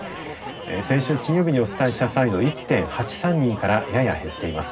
先週金曜日にお伝えした際の１．８３人からやや減っています。